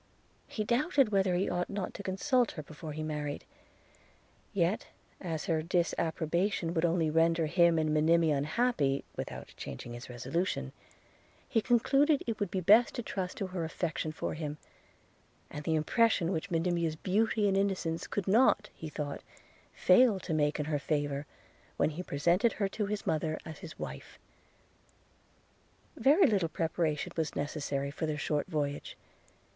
– He doubted whether he ought not to consult her before he married; yet as her disapprobation would only render him and Monimia unhappy, without changing his resolution, he concluded it would be best to trust to her affection for him, and the impression which Monimia's beauty and innocence could not he thought fail to make in her favour, when he presented her to his mother, as his wife. Very little preparation was necessary for their short voyage.